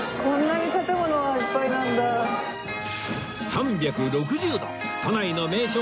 ３６０度都内の名所を一望！